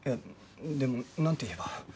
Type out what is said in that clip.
いやでもなんて言えば。